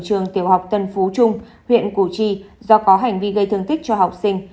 trường tiểu học tân phú trung huyện củ chi do có hành vi gây thương tích cho học sinh